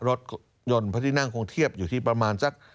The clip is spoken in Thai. รถยนต์พระที่นั่งคงเทียบอยู่ที่ประมาณสัก